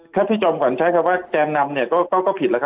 ครับพี่จอมขวัญใช้คำว่าแกรมนำเนี่ยก็ต้องก็ผิดละครับ